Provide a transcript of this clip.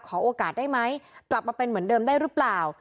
โอกาสได้ไหมกลับมาเป็นเหมือนเดิมได้หรือเปล่า